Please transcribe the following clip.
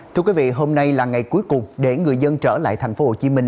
thưa quý vị hôm nay là ngày cuối cùng để người dân trở lại thành phố hồ chí minh